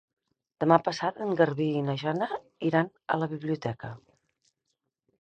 Demà passat en Garbí i na Jana iran a la biblioteca.